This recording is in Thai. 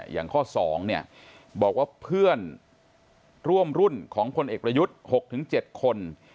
อย่างข้อ๒บอกว่าเพื่อนร่วมรุ่นของพลเอกประยุทธ์๖๗คน